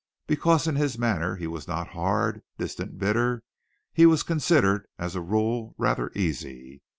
Because in his manner he was not hard, distant, bitter, he was considered, as a rule, rather easy.